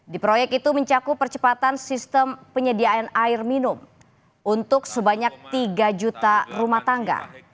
di proyek itu mencakup percepatan sistem penyediaan air minum untuk sebanyak tiga juta rumah tangga